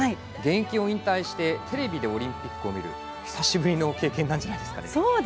現役を引退してテレビでオリンピックを見る久しぶりの経験なんじゃないですか。